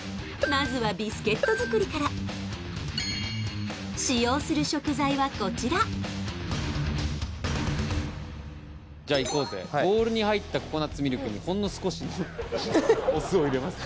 まずはビスケット作りから使用する食材はこちらじゃあいこうぜボウルに入ったココナッツミルクにほんの少しのお酢を入れます